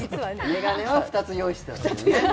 眼鏡は２つ用意してたのね。